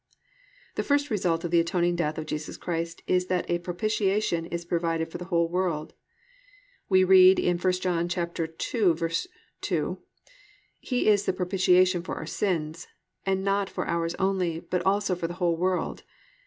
1. The first result of the atoning death of Jesus Christ is that a propitiation is provided for the whole world. We read in 1 John 2:2, +"He is the propitiation for our sins; and not for ours only, but also for the whole world."